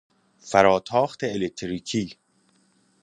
فراتاخت الکتریکی